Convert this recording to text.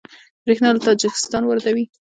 بریښنا له تاجکستان واردوي